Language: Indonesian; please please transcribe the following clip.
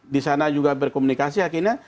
di sana juga berkomunikasi akhirnya